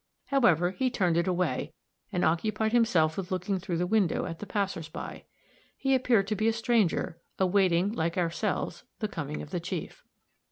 However, he turned it away, and occupied himself with looking through the window at the passers by. He appeared to be a stranger, awaiting, like ourselves, the coming of the chief.